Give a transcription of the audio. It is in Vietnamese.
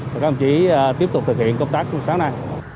các ông chí tiếp tục thực hiện công tác trong sáng nay